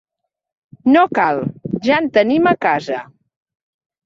No cal, ja en tenim a casa.